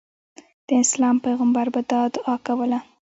د اسلام پیغمبر به دا دعا کوله.